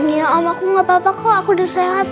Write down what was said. ya om aku gak apa apa kok aku udah sehat